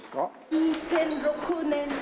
２００６年に。